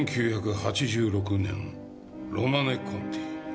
１９８６年「ロマネ・コンティ」。